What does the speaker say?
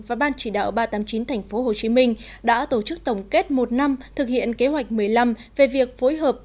và ban chỉ đạo ba trăm tám mươi chín tp hcm đã tổ chức tổng kết một năm thực hiện kế hoạch một mươi năm về việc phối hợp